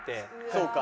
そうか。